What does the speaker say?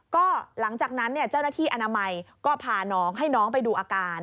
ก็หลังจากนั้นเจ้าหน้าที่อนามัยก็พาน้องให้น้องไปดูอาการ